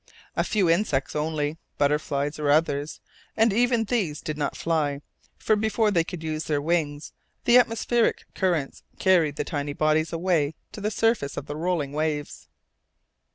A few insects only butterflies or others and even these did not fly, for before they could use their wings, the atmospheric currents carried the tiny bodies away to the surface of the rolling waves.